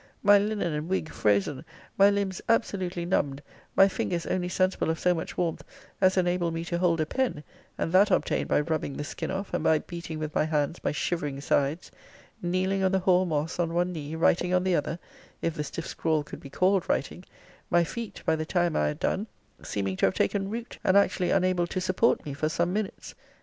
My linen and wig frozen; my limbs absolutely numbed; my fingers only sensible of so much warmth as enabled me to hold a pen; and that obtained by rubbing the skin off, and by beating with my hands my shivering sides! Kneeling on the hoar moss on one knee, writing on the other, if the stiff scrawl could be called writing! My feet, by the time I had done, seeming to have taken root, and actually unable to support me for some minutes!